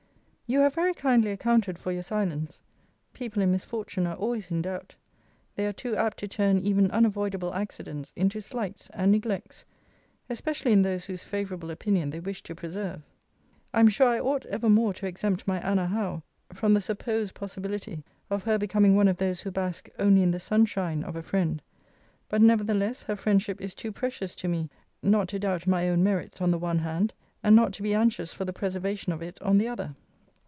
You have very kindly accounted for your silence. People in misfortune are always in doubt. They are too apt to turn even unavoidable accidents into slights and neglects; especially in those whose favourable opinion they wish to preserve. I am sure I ought evermore to exempt my Anna Howe from the supposed possibility of her becoming one of those who bask only in the sun shine of a friend: but nevertheless her friendship is too precious to me, not to doubt my own merits on the one hand, and not to be anxious for the preservation of it, on the other.